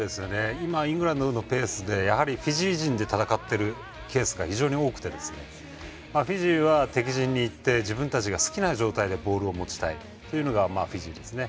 今、イングランドのペースでやはり、フィジー陣で戦っているケースが多くてフィジーは、敵陣に行って自分たちが好きな状態でボールを持ちたいというのがフィジーですね。